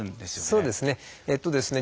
そうですね。